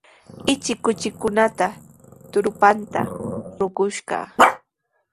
Ichik kuchikunapa trupanta ruqushqa.